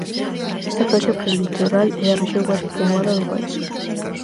Esta franxa prelitoral é a rexión máis poboada do país.